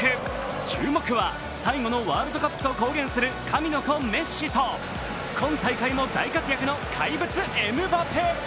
注目は最後のワールドカップと公言する神の子・メッシと今大会も大活躍の怪物・エムバペ。